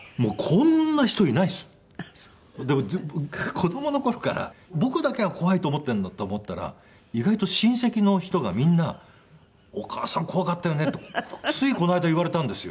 子供の頃から僕だけが怖いと思っているんだと思ったら意外と親戚の人がみんな「お母さん怖かったよね」ってついこの間言われたんですよ。